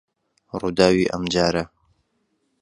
ڕووداوی ئەم جارە